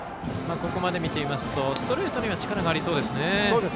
ここまで見ていますとストレートには力がありそうですね。